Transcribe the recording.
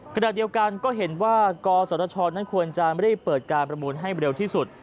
ขณะเดียวกันก็เห็นว่ากศชนั้นควรจะรีบเปิดการประมูลให้เร็วที่สุด